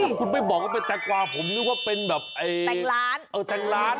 คุณไม่บอกว่าเป็นแตงกวาผมนึกว่าเป็นแบบไอ้แตงล้านเออแตงล้าน